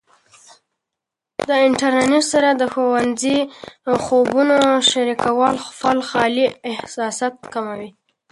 د انټرنیټ سره د ښوونځي د خوبونو شریکول خپل خالي احساسات کموي.